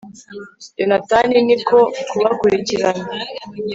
yonatani ni ko kubakurikirana